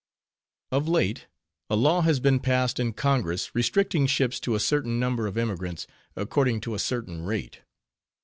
Of late, a law has been passed in Congress, restricting ships to a certain number of emigrants, according to a certain rate.